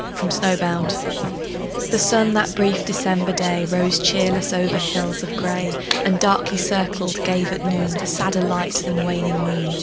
THE SNOW STORM The sun that brief December day Rose cheerless over hills of gray, And, darkly circled, gave at noon A sadder light than waning moon.